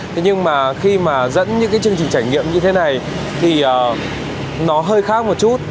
thế nhưng mà khi mà dẫn những cái chương trình trải nghiệm như thế này thì nó hơi khác một chút